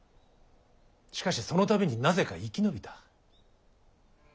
しかしその度になぜか生き延びた。